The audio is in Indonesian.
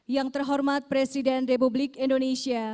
yang terhormat presiden republik indonesia